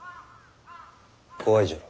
怖いじゃろ？